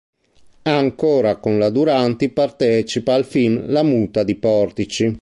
Ancora con la Duranti partecipa al film "La muta di Portici".